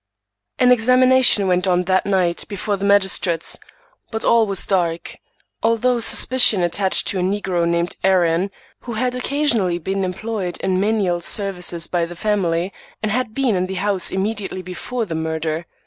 An examination went on that night before the magis trates, but all was dark ; although suspicion attached to a negro named Aaron, who had occasionally been employed in menial services by the family, and had been in the house immediately before the murder.